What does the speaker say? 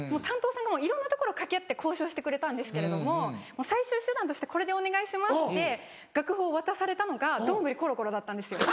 担当さんがいろんな所掛け合って交渉してくれたんですけれども最終手段としてこれでお願いしますって楽譜を渡されたのが『どんぐりころころ』だったんです。